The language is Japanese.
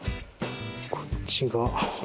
こっちが。